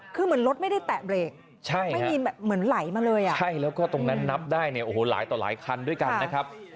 คือเหมือนรถไม่ได้แตะเบรกใช่ไม่มีแบบเหมือนไหลมาเลยอ่ะใช่แล้วก็ตรงนั้นนับได้เนี่ยโอ้โหหลายต่อหลายคันด้วยกันนะครับ